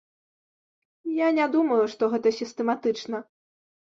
Я не думаю, што гэта сістэматычна.